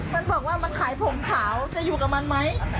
มันบอกว่ามันขายผมขาวจะอยู่กับมันไหม